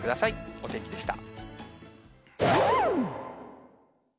お天気でした。